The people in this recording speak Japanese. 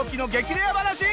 レア話。